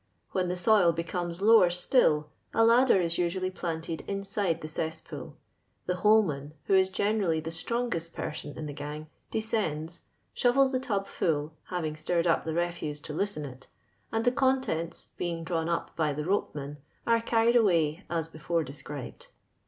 When the soil becomes lower still, a ladder is usually planted inside the cess pool ; the " holeman," who is generally tlie strongest person in the gang, descends, shovels the tub full, baring stiried up the refuse to loosen it, and the contents, being drawn up by the ropeman, are carried away as before de scribed.